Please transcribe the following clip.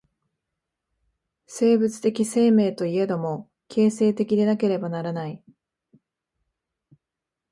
生物的生命といえども、形成的でなければならない。